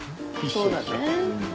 そうだね。